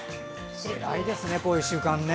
偉いですね、こういう習慣。